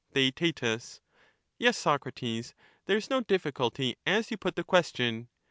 Theaet Yes, Socrates, there is no difficulty as you put the question.